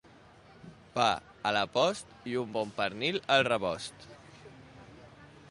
Pa a la post i un bon pernil al rebost.